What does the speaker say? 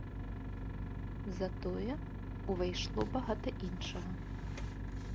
Затое, увайшло багата іншага.